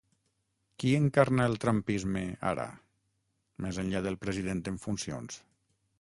Qui encarna el ‘Trumpisme’ ara, més enllà del president en funcions?